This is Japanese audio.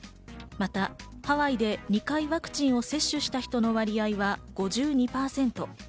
またハワイで２回ワクチンを接種した人の割合は５２％。